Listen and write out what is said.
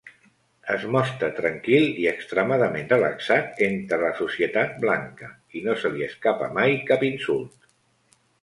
Es mostra tranquil i extremadament relaxat entre la societat blanca, i no se li escapa mai cap insult.